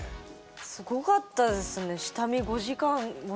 すごかったですね。